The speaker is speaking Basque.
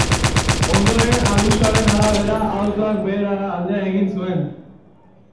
Ondoren, abisuaren arabera, autoak berehala alde egin zuen.